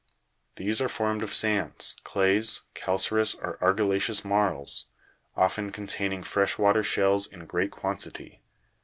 These are formed of sands, clays, calca'reous or argilla'ceous marls, often containing fresh water shells in great quantity.